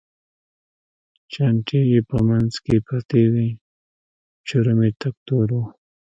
چانټې یې په منځ کې پرتې وې، چرم یې تک تور و.